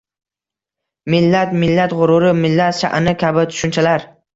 «Millat», «millat g‘ururi», «millat sha’ni» kabi tushunchalar